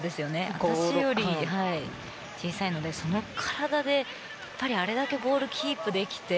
私より小さいのでその体であれだけボールキープできて。